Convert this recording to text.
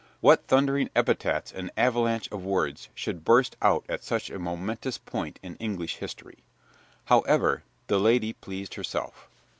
What thundering epithets and avalanche of words should burst out at such a momentous point in English history! However, the lady pleased herself.